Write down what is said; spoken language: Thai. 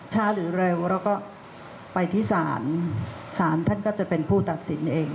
หรือเร็วแล้วก็ไปที่ศาลศาลท่านก็จะเป็นผู้ตัดสินเอง